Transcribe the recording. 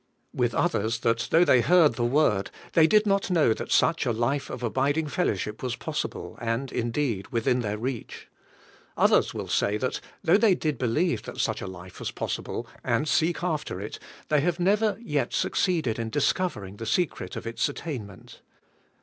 With others, that though they heard the word, they did not know that such a life of ALL YE WHO HAVE COME TO HIM. 17 abiding fellowship was possible, and indeed within their reach. Others will say that, though they did believe that such a life was possible, and seek after it, they have never yet succeeded in discovering the secret of its attainment.